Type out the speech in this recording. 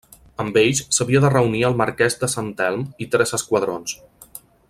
Amb ells s'havia de reunir el Marquès de Sant Telm i tres esquadrons.